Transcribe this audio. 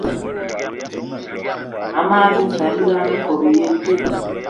Ama dínzan bilam íkob í yé í te